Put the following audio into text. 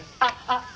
あっ！